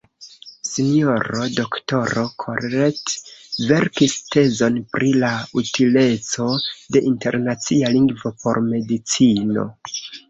S-ro Doktoro Corret verkis tezon pri la utileco de internacia lingvo por medicino.